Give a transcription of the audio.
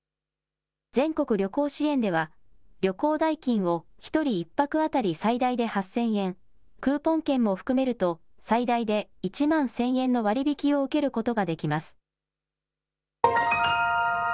全国旅行支援では、旅行代金を１人１泊当たり最大で８０００円、クーポン券も含めると最大で１万１０００円の割引を受けることができます。